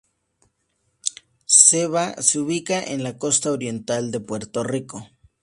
Seva se ubica en la costa oriental de Puerto Rico.